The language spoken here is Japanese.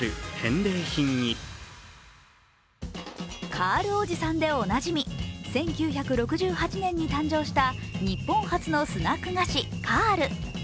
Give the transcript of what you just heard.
カールおじさんでおなじみ、１９６８年に誕生した日本発のスナック菓子、カール。